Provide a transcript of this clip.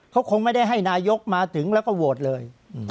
เขาคงไม่ได้ให้นายกมาถึงแล้วก็โหวตเลย